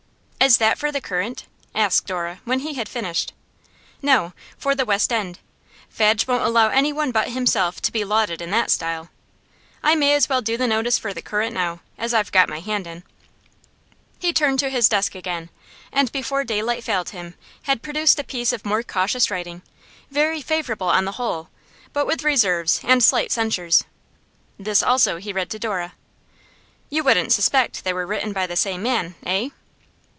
'Is that for The Current?' asked Dora, when he had finished. 'No, for The West End. Fadge won't allow anyone but himself to be lauded in that style. I may as well do the notice for The Current now, as I've got my hand in.' He turned to his desk again, and before daylight failed him had produced a piece of more cautious writing, very favourable on the whole, but with reserves and slight censures. This also he read to Dora. 'You wouldn't suspect they were written by the same man, eh?